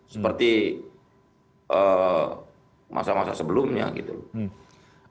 seperti masa masa sebelumnya gitu loh